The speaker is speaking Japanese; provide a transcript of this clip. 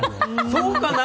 そうかな？